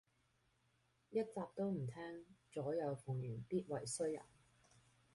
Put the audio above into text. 一集都唔聼，左右逢源必為衰人